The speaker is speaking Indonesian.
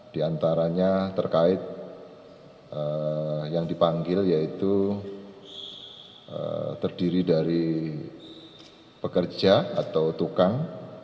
di antaranya terkait yang dipanggil yaitu terdiri dari pekerja atau tukang